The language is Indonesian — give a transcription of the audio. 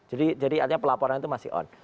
jadi artinya pelaporan itu masih on